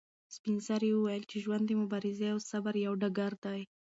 سپین سرې وویل چې ژوند د مبارزې او صبر یو ډګر دی.